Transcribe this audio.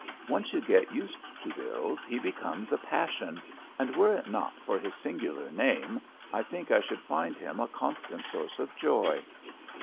Once you get used to Bills he becomes a passion, and were it not for his singular name I think I should find him a constant source of joy.